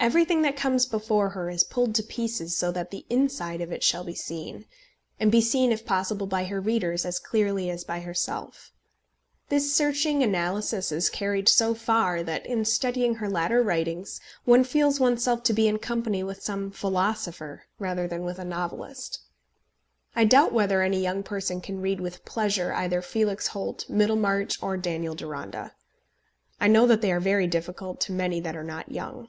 Everything that comes before her is pulled to pieces so that the inside of it shall be seen, and be seen if possible by her readers as clearly as by herself. This searching analysis is carried so far that, in studying her latter writings, one feels oneself to be in company with some philosopher rather than with a novelist. I doubt whether any young person can read with pleasure either Felix Holt, Middlemarch, or Daniel Deronda. I know that they are very difficult to many that are not young.